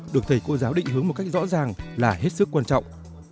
được thầy cô giáo định hướng một cách rõ ràng là hết sức quan trọng